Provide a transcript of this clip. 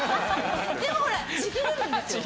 でもほらちぎれるんですよ！